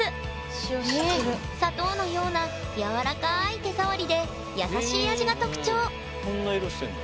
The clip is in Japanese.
砂糖のようなやわらかい手触りで優しい味が特徴。へこんな色してんだ。